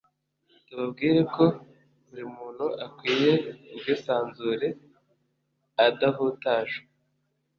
Tubabwire ko buri muntu Akwiye ubwisanzure adahutajwe